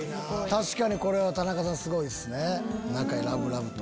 確かにこれは田中さんすごいっすねラブラブ。